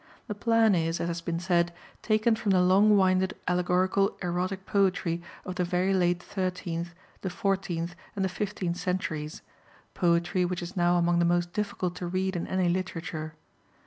The plan is, as has been said, taken from the long winded allegorical erotic poetry of the very late thirteenth, the fourteenth, and the fifteenth centuries poetry which is now among the most difficult to read in any literature.